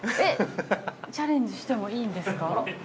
◆チャレンジしてもいいんですか。